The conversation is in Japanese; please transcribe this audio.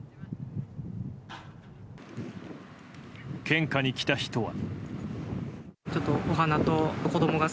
献花に来た人は。